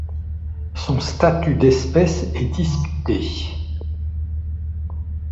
Son statut d'espèce est disputé.